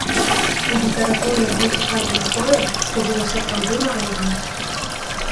У літаратуры яго цікавіла тое, што было сапраўды народным.